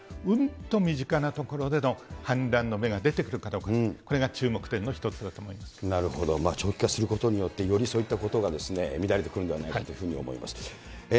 うんと身近なところでの反乱の芽が出てくるかどうか、これが注目なるほど。長期化することによって、よりそういったことが見られてくるんではないかと思います。